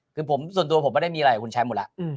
คือส่วนตัวผมไม่ได้มีอะไรกับคุณแชมป์หมดแล้ว